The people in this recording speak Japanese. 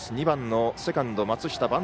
２番のセカンド、松下。